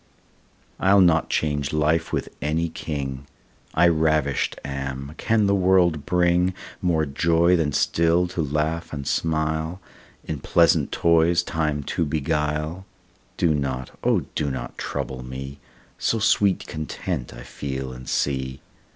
I'll not change life with any king, I ravisht am: can the world bring More joy, than still to laugh and smile, In pleasant toys time to beguile? Do not, O do not trouble me, So sweet content I feel and see.